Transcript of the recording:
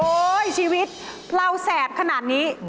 ชีวิตเราแสบขนาดนี้